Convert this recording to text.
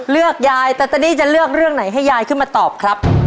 ยายแต่ตอนนี้จะเลือกเรื่องไหนให้ยายขึ้นมาตอบครับ